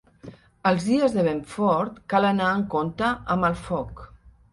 Els dies de vent fort cal anar amb compte amb el foc.